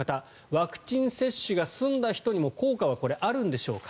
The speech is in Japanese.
ワクチン接種が済んだ人にも効果はあるんでしょうか？